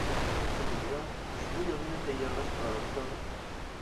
شۇنىڭ بىلەن ئۇشبۇ يازمىنى تەييارلاش قارارىغا كەلدىم.